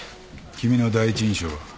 君の第一印象は？